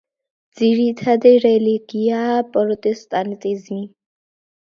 ძირითადი რელიგიაა პროტესტანტიზმი.